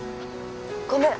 ごめん。